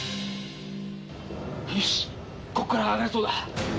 よしここから上がれそうだ。